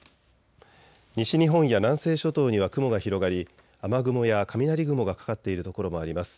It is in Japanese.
西日本や南西諸島には雲が広がり雨雲や雷雲がかかっている所もあります。